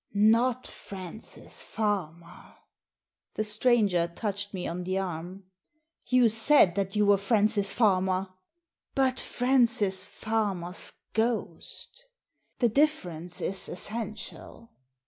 " Not Francis Farmer." The stranger touched me on the arm. You said that you were Francis Farmer." "But Francis Farmer's ghost The difference is essential.